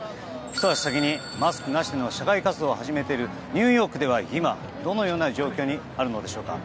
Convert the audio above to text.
ひと足先にマスクなしでの社会活動を始めているニューヨークでは今どのような状況にあるのでしょうか。